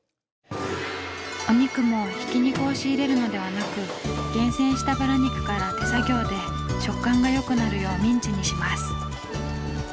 お肉もひき肉を仕入れるのではなく厳選したバラ肉から手作業で食感が良くなるようミンチにします。